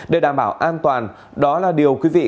để đảm bảo an toàn đó là điều quý vị